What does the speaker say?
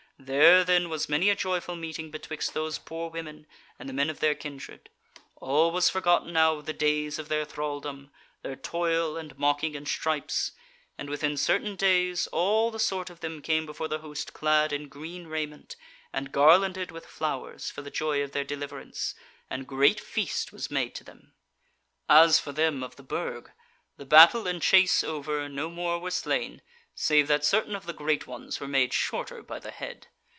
There then was many a joyful meeting betwixt those poor women and the men of their kindred: all was forgotten now of the days of their thralldom, their toil and mocking and stripes; and within certain days all the sort of them came before the host clad in green raiment, and garlanded with flowers for the joy of their deliverance; and great feast was made to them. "As for them of the Burg, the battle and chase over, no more were slain, save that certain of the great ones were made shorter by the head.